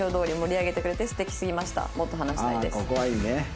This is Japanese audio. ああここはいいね。